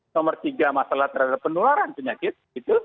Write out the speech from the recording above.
nomor tiga masalah terhadap penularan penyakit